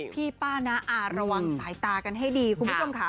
พี่ป้านะระวังสายตากันให้ดีคุณผู้ชมค่ะ